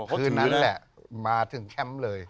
คืนนั้นแหล้มาก็จึงแค้นเลย